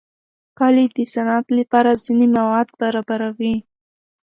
کلي د صنعت لپاره ځینې مواد برابروي.